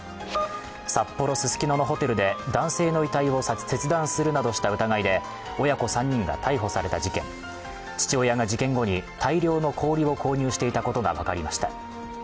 札幌・ススキノのホテルで男性の遺体を切断したなどとした疑いで親子３人が逮捕された事件、父親が事件後に大量の氷を購入していたことが分かりました